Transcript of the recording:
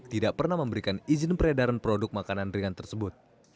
tidak pernah memberikan izin peredaran produk makanan ringan tersebut